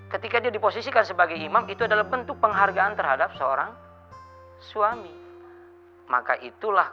ketika dia diposisikan sebagai imam itu adalah bentuk penghargaan terhadap seorang suami maka itulah